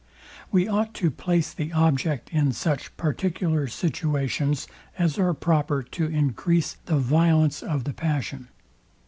We ought to place the object in such particular situations as are proper to encrease the violence of the passion.